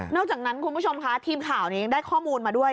อกจากนั้นคุณผู้ชมค่ะทีมข่าวยังได้ข้อมูลมาด้วย